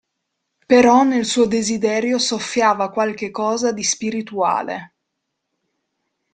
Però nel suo desiderio soffiava qualche cosa di spirituale.